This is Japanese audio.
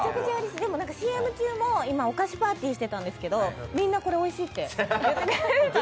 でもＣＭ中もお菓子パーティーしてたんですけどみんなこれ、おいしいって。